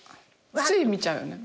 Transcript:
つい見ちゃうよね。